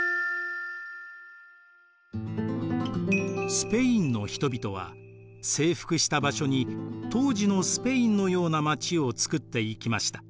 スペインの人々は征服した場所に当時のスペインのような街を作っていきました。